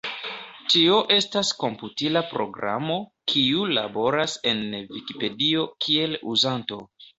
Tio estas komputila programo, kiu laboras en Vikipedio kiel uzanto.